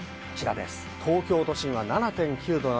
東京都心は７．９度。